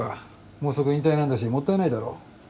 もうすぐ引退なんだしもったいないだろ。